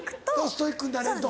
ストイックになれると。